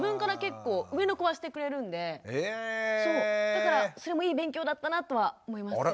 だからそれもいい勉強だったなとは思います。